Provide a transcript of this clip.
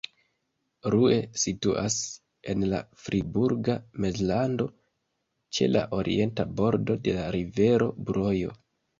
Rue situas en la Friburga Mezlando ĉe la orienta bordo de la rivero Brojo.